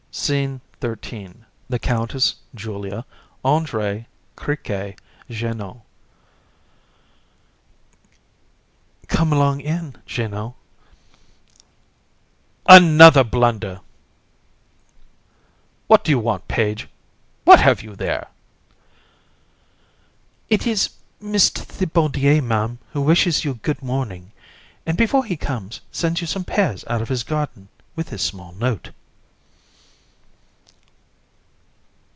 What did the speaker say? SCENE XIII. THE COUNTESS, JULIA, ANDRÉE, CRIQUET, JEANNOT. CRI. Come along in, Jeannot. COUN. Another blunder. (To JEANNOT) What do you want, page? What have you there? JEAN. It is Mr. Thibaudier, Ma'am, who wishes you good morning, and, before he comes, sends you some pears out of his garden, with this small note.